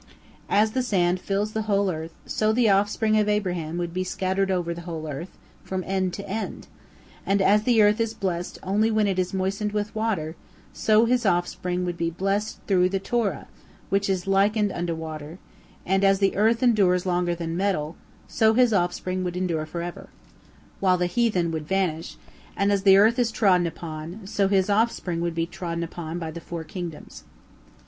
As the sand fills the whole earth, so the offspring of Abraham would be scattered over the whole earth, from end to end; and as the earth is blessed only when it is moistened with water, so his offspring would be blessed through the Torah, which is likened unto water; and as the earth endures longer than metal, so his offspring would endure forever, while the heathen would vanish; and as the earth is trodden upon, so his offspring would be trodden upon by the four kingdoms.